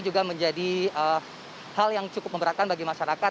juga menjadi hal yang cukup memberatkan bagi masyarakat